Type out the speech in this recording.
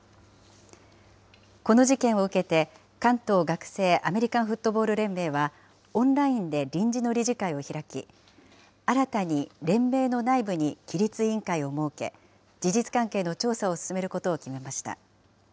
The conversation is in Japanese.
この事件を受けて、関東学生アメリカンフットボール連盟は、オンラインで臨時の理事会を開き、新たに連盟の内部に規律委員会を設け、事実関係の調査を進めることを決めました。